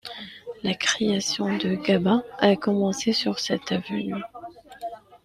La création de Ngaba a commencé sur cette avenue.